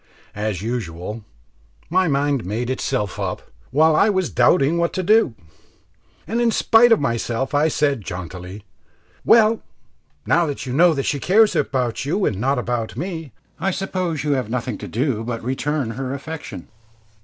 As usual, my mind made itself up while I was doubting what to do, and in spite of myself I said jauntily, "Well, now that you know that she cares about you and not about me, I suppose you have nothing to do but to return her affection?"